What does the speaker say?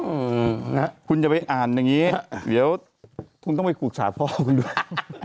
นะครับคุณจะไปอ่านแบบนี้เดี๋ยวคุณต้องไปฝูกฉากพ่อคุณด้วย